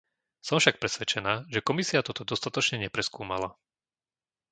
Som však presvedčená, že Komisia toto dostatočne nepreskúmala.